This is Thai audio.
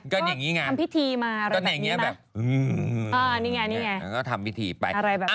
ก็อย่างงี้ไงทำพิธีมาอะไรแบบนี้นะนี่ไงนี่ไงก็ทำพิธีไป